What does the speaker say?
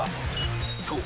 ［そう。